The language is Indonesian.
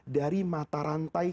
dari mata rantai